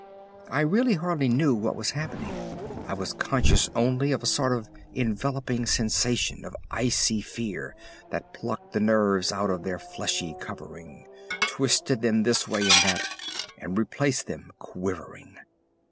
I really hardly knew what was happening. I was conscious only of a sort of enveloping sensation of icy fear that plucked the nerves out of their fleshly covering, twisted them this way and that, and replaced them quivering.